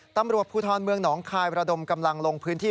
ตำรวจภูทรเมืองหนองคายระดมกำลังลงพื้นที่